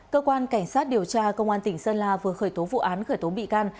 cơ quan cảnh sát điều tra công an tỉnh sơn la vừa khởi tố vụ án khởi tố bị can